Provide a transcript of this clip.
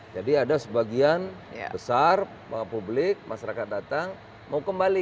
jadi ada sebagian besar panggilan publik masyarakat datang mau kembali